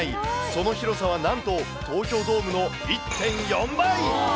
その広さはなんと、東京ドームの１．４倍。